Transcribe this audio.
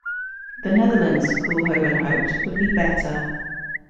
The Netherlands, Koolhoven hoped, would be better.